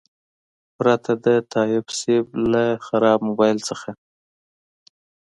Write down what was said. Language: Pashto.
پرته د تایب صیب له خراب موبایل څخه.